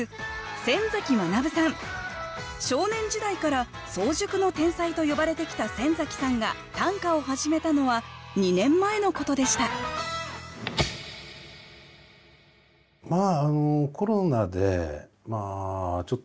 少年時代から早熟の天才と呼ばれてきた先崎さんが短歌を始めたのは２年前のことでした喫茶店です。